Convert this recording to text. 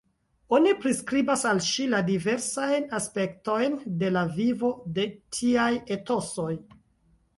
Oni priskribas al ŝi la diversajn aspektojn de la vivo de tiaj etosoj.